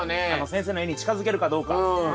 先生の絵に近づけるかどうか。